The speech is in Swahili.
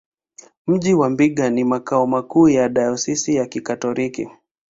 Mji wa Mbinga ni makao makuu ya dayosisi ya Kikatoliki.